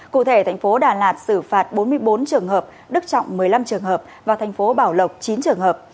cụ thể thành phố đà lạt xử phạt bốn mươi bốn trường hợp đức trọng một mươi năm trường hợp và thành phố bảo lộc chín trường hợp